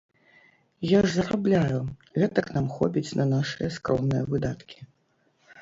Я ж зарабляю, гэтак нам хопіць на нашыя скромныя выдаткі.